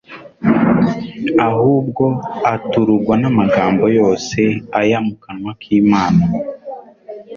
ahubwo aturugwa n'amagambo yose aya mu kanwa k'Imana."